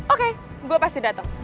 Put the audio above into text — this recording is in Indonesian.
oke gue pasti dateng